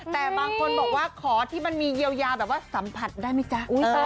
แต่บางคนบอกว่าขอที่มันมีเยียวยาแบบว่าสัมผัสได้ไหมจ๊ะ